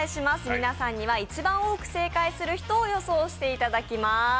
皆さんには一番多く正解する人を予想していただきます。